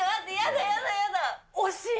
惜しい！